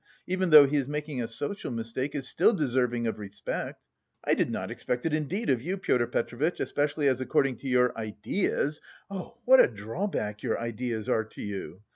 even though he is making a social mistake is still deserving of respect! I did not expect it indeed of you, Pyotr Petrovitch, especially as according to your ideas... oh, what a drawback your ideas are to you!